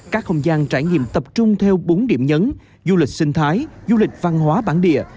các không gian trải nghiệm tập trung theo bốn điểm nhấn du lịch sinh thái du lịch văn hóa bản địa